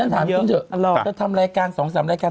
ถ้าทำรายการ๒๓รายการ